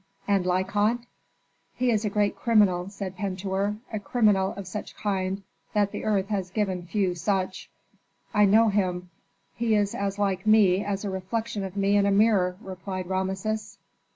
"And Lykon?" "He is a great criminal," said Pentuer; "a criminal of such kind that the earth has given few such." "I know him. He is as like me as a reflection of me in a mirror," replied Rameses.